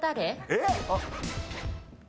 えっ⁉